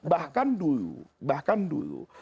bahkan dulu bahkan dulu